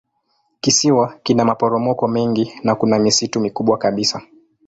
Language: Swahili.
Kisiwa kina maporomoko mengi na kuna misitu mikubwa kabisa.